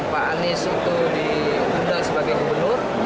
pak anies itu diundang sebagai gubernur